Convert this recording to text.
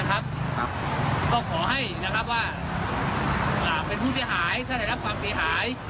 ก็ขอให้ว่าเป็นผู้เสียหายถ้าได้รับความเสียหาย